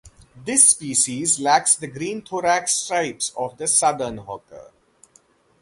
This species lacks the green thorax stripes of the southern hawker.